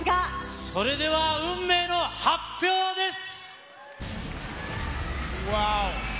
それでは運命の発表です。